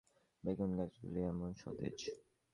হারু ঘোষের বাড়ির সামনে বেগুনগাছগুলি এমন সতেজ।